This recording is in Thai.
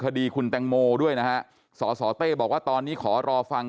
คดีคุณแตงโมด้วยนะฮะสสเต้บอกว่าตอนนี้ขอรอฟัง